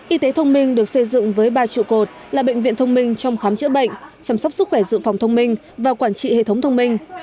y tế thông minh được xây dựng với ba trụ cột là bệnh viện thông minh trong khám chữa bệnh chăm sóc sức khỏe dự phòng thông minh và quản trị hệ thống thông minh